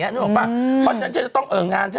ดีอย่างนี้นึกออกป่ะเพราะฉะนั้นจะต้องเอิญงาน